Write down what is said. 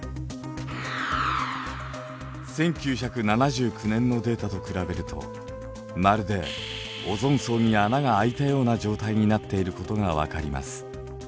１９７９年のデータと比べるとまるでオゾン層に穴が開いたような状態になっていることが分かります。